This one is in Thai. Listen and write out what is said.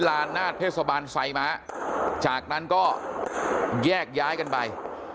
ลานนาศเทศบาลไซม้าจากนั้นก็แยกย้ายกันไป